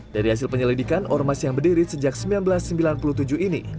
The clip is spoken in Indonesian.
dari hasil penyelidikan ormas yang berdiri sejak seribu sembilan ratus sembilan puluh tujuh ini